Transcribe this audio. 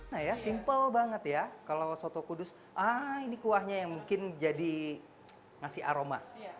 nah ya simple banget ya kalau soto kudus ah ini kuahnya yang mungkin jadi ngasih aroma